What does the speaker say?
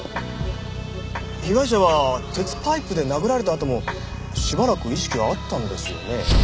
被害者は鉄パイプで殴られたあともしばらく意識はあったんですよね？